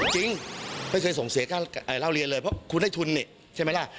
จริงไม่เคยส่งเสียค่าเล่าเรียนเลยเพราะคุณได้ทุนนี่ใช่ไหมล่ะ